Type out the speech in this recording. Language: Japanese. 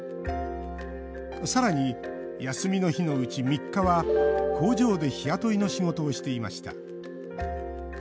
さらに休みの日のうち３日は工場で日雇いの仕事をしていました。